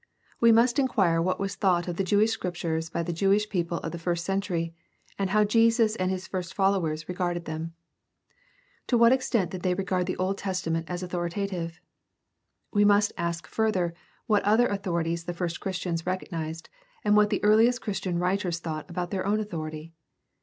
We must inquire what was thought of the Jewish Scriptures by the Jewish people of the first century and how Jesus and his first followers regarded them. To what extent did they regard the Old Testament as authoritative ? We must ask further what other authorities the first Christians recognized and what the earliest Chris tian writers thought about their own authority.